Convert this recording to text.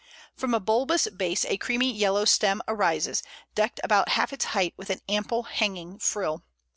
From a bulbous base a creamy yellow stem arises, decked about half its height with an ample hanging frill.